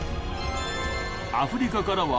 アフリカからは。